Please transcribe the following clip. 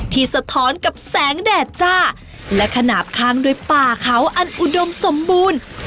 สะท้อนกับแสงแดดจ้าและขนาดข้างด้วยป่าเขาอันอุดมสมบูรณ์